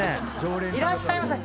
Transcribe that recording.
「いらっしゃいませ。